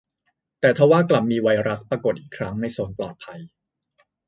แต่ทว่ากลับมีไวรัสปรากฏอีกครั้งในโซนปลอดภัย